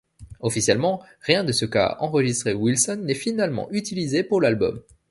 Officiellement, rien de ce qu'a enregistré Wilson n'est finalement utilisé pour l'album.